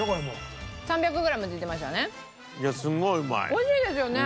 美味しいですよね。